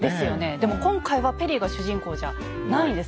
でも今回はペリーが主人公じゃないんです。